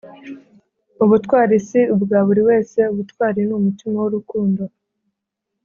Ubutwari si ubwa buri umwe ubutwari ni umutima w’urukundo